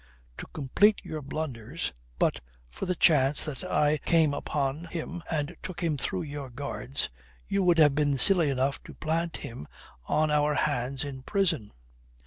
To complete your blunders but for the chance that I came upon him and took him through your guards you would have been silly enough to plant him on our hands in prison.